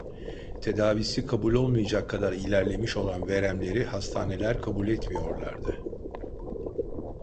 Tedavisi kabul olmayacak kadar ilerlemiş olan veremleri hastaneler kabul etmiyorlardı.